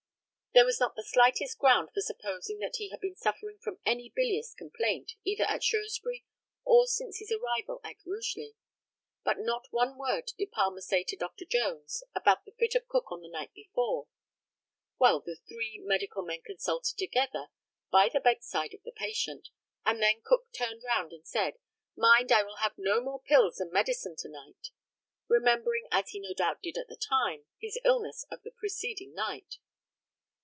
There was not the slightest ground for supposing that he had been suffering from any bilious complaint, either at Shrewsbury or since his arrival at Rugeley. But not one word did Palmer say to Dr. Jones about the fit of Cook on the night before. Well, the three medical men consulted together, by the bedside of the patient, and then Cook turned round and said, "Mind, I will have no more pills and medicine, to night," remembering, as he no doubt did at the time, his illness of the preceding night.